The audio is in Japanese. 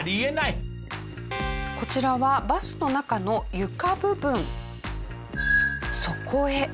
こちらはバスの中の床部分。